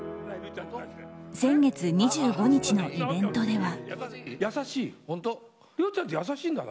先月２５日のイベントでは。